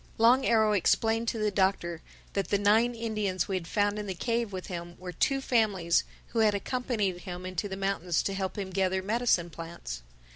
Long Arrow explained to the Doctor that the nine Indians we had found in the cave with him were two families who had accompanied him into the mountains to help him gather medicine plants.